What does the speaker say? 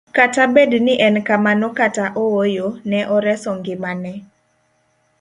Kata bed ni ne en kamano kata ooyo, ne oreso ngimane